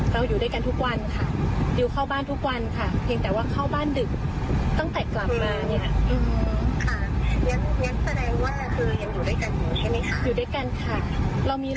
ลูกก็กำลังน้อยอยู่นะครับ